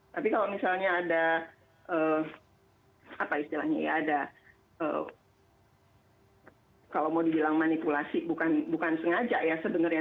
tapi kalau misalnya ada apa istilahnya ya ada kalau mau dibilang manipulasi bukan sengaja ya sebenarnya